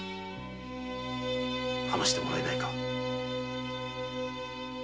話してもらえないか。